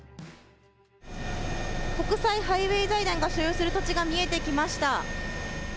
国際ハイウェイ財団が所有する土地が見えてきました。